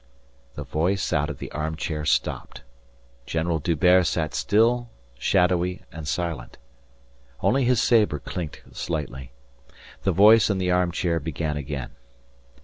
The voice out of the armchair stopped. General D'Hubert sat still, shadowy, and silent. Only his sabre clinked slightly. The voice in the armchair began again.